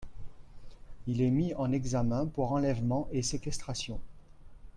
Il est mis en examen pour enlèvement et séquestration.